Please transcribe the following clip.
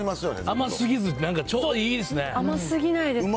甘すぎずなんかちょうどいいですね。